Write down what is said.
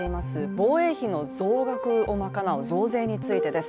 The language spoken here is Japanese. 防衛費の増額を賄う、増税についてです。